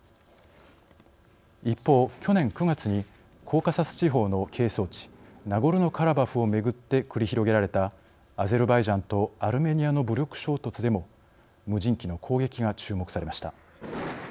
一方去年９月にコーカサス地方の係争地ナゴルノ・カラバフをめぐって繰り広げられたアゼルバイジャンとアルメニアの武力衝突でも無人機の攻撃が注目されました。